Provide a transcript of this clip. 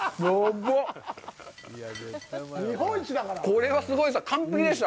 これはすごいです。